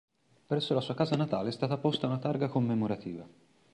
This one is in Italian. Presso la sua casa natale è stata posta una targa commemorativa.